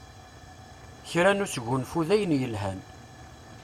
Kra n usgunfu d ayen yelhan.